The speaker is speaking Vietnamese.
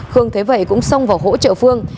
khương thế vậy cũng xong vào hỗ trợ phương